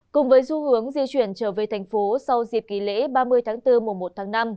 cùng với xu hướng di chuyển trở về thành phố sau dịp nghỉ lễ ba mươi tháng bốn mùa một tháng năm